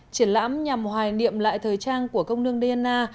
triển lãm nhằm hoài niệm lại thời trang của công nương diana